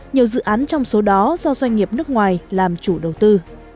nhiều dự án trong số đó do doanh nghiệp nước ngoài làm chủ đầu tư